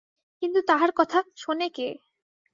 কিন্তু তাহার কথা শোনে কে?